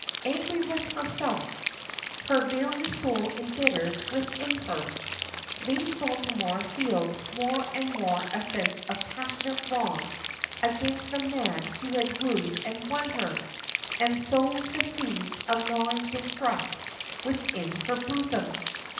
Angry with herself, her very soul embittered within her, Lady Baltimore feels more and more a sense of passionate wrong against the man who had wooed and won her, and sown the seeds of gnawing distrust within her bosom.